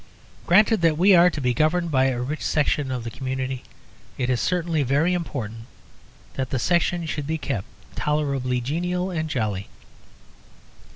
Granted that we are to be governed by a rich section of the community, it is certainly very important that that section should be kept tolerably genial and jolly.